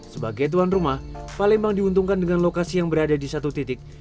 sebagai tuan rumah palembang diuntungkan dengan lokasi yang berada di satu titik